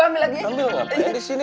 ambil ngapain disini